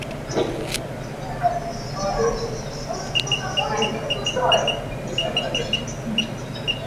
Cortijo and Rivera went on to live in New York City.